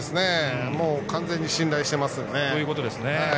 完全に信頼していますね。